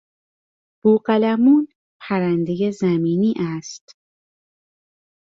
بوقلمون پرندهی زمینی است.